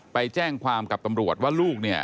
ไปแจ้งความกับตำรวจว่าลูกเนี่ย